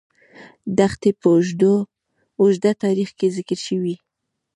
دښتې په اوږده تاریخ کې ذکر شوې.